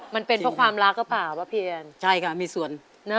มันเป็นเพราะความรักเหรอครับพ่อเป๊ยันใช่ค่ะมีส่วน